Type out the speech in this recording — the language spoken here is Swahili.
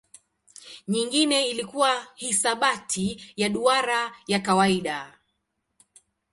Nyingine ilikuwa hisabati ya duara ya kawaida.